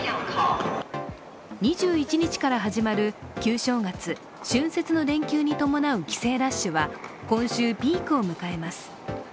２１日から始まる旧正月・春節の連休に伴う帰省ラッシュは今週ピークを迎えます。